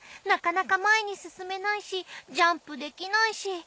なかなか前に進めないしジャンプできないし。